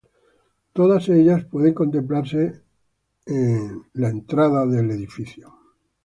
Todas ellas pueden contemplarse en la sacristía del templo.